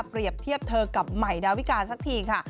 เทียบเธอกับใหม่ดาวิกาสักทีค่ะ